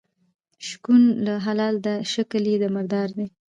شکوڼ که حلال ده شکل یي د مردار ده.